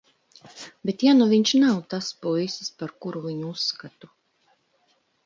Bet ja nu viņš nav tas puisis, par ko viņu uzskatu?